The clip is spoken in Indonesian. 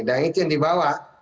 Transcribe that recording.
dan itu yang dibawa ke bank bri